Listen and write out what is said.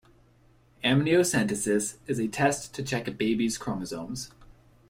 Amniocentesis is a test to check a baby's chromosomes.